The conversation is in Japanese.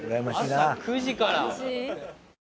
朝９時から。